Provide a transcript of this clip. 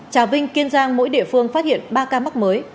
trà vinh kiên giang mỗi địa phương phát hiện ba ca mắc mới